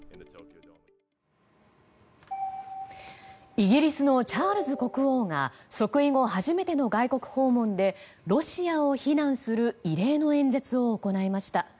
イギリスのチャールズ国王が即位後初めての外国訪問でロシアを非難する異例の演説を行いました。